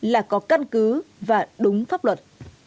là có căn cứ và đúng pháp luật